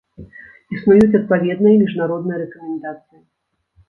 Існуюць адпаведныя міжнародныя рэкамендацыі.